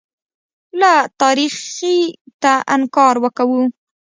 له تاریخیته انکار وکوو.